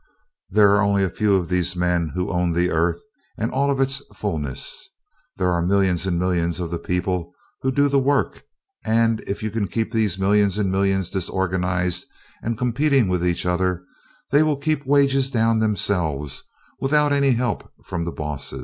There are only a few of these men who own the earth and all of its fullness. There are millions and millions of the people who do the work, and if you can keep these millions and millions disorganized and competing with each other, they will keep wages down themselves without any help from the bosses.